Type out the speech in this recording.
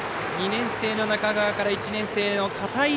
２年生の中川から１年生の片井。